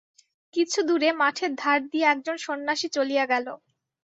কিছু দূরে মাঠের ধার দিয়া একজন সন্ন্যাসী চলিয়া গেল।